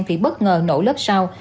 thì bất ngờ nổ lớp sau